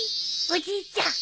おじいちゃん。